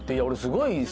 俺すごい。